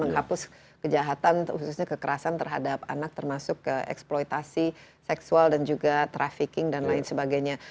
menghapus kejahatan khususnya kekerasan terhadap anak termasuk eksploitasi seksual dan juga trafficking dan lain sebagainya